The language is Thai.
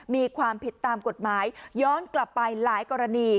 มีความผิดตามกฎหมายย้อนกลับไปหลายกรณี